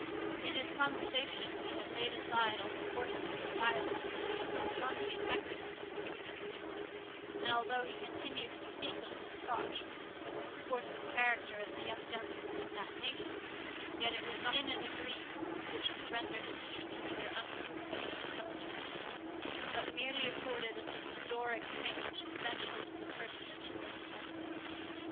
In his conversation, he had laid aside all the coarseness of dialect which he had so strongly affected on the preceding evening; and although he continued to speak a little Scotch, for the support of his character as a young gentleman of that nation, yet it was not in a degree which rendered his speech either uncouth or unintelligible, but merely afforded a certain Doric tinge essential to the personage he represented.